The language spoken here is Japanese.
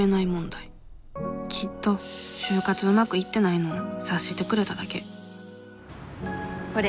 きっと就活うまくいってないのを察してくれただけこれ。